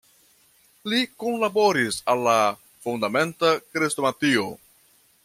Li kunlaboris al la "Fundamenta Krestomatio.